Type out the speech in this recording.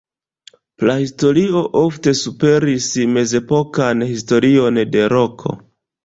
Prahistorio ofte superis mezepokan historion de Roko.